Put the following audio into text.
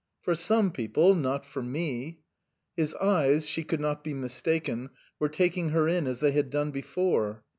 " For some people not for me." His eyes she could not be mistaken were taking her in as they had done before.